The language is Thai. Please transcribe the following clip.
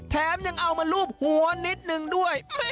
แถมยังเอามารูปหัวนิดนึงด้วย